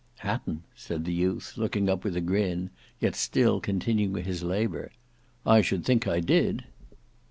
"Hatton!" said the youth looking up with a grin, yet still continuing his labour, "I should think I did!"